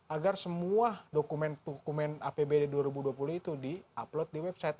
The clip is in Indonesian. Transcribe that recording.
agar semua dokumen dokumen apbd dua ribu dua puluh itu di upload di website